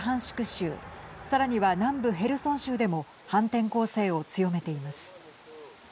州さらには、南部ヘルソン州でも反転攻勢を強めています。